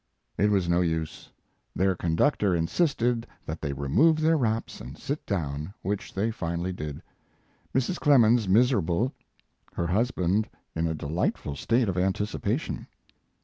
It was no use. Their conductor insisted that they remove their wraps and sit down, which they finally did Mrs. Clemens miserable, her husband in a delightful state of anticipation.